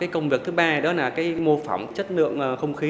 công việc thứ ba đó là mô phỏng chất lượng không khí